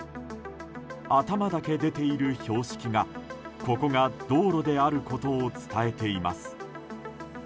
頭だけ出ている標識が、ここが道路であることを伝えています。